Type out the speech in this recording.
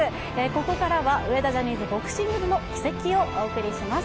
ここからは、上田ジャニーズボクシング部の軌跡をお届けします。